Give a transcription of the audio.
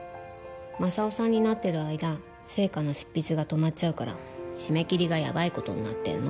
マサオさんになってる間『ＳＥＩＫＡ』の執筆が止まっちゃうから締め切りがやばい事になってんの。